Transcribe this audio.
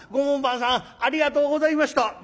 門番さんありがとうございました」。